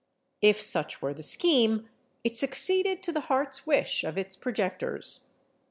If such were the scheme, it succeeded to the heart's wish of its projectors.